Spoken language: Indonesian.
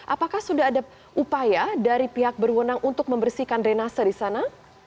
apakah sudah ada upaya dari pihak berwenang untuk membersihkan renase di sana